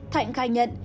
thạnh khai nhận